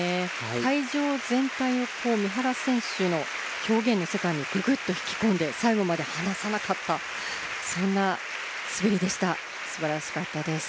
はい会場全体を三原選手の表現の世界にぐぐっと引き込んで最後まではなさなかったそんな滑りでした素晴らしかったです